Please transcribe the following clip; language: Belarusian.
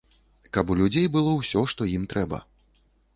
Каб у людзей было ўсё, што ім трэба.